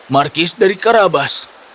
markis dari karabas